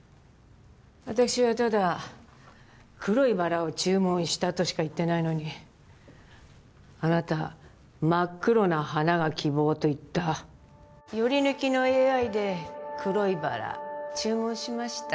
私はただ黒いバラを注文したとしか言ってないのにあなた真っ黒な花が希望と言ったヨリヌキの ＡＩ で黒いバラ注文しました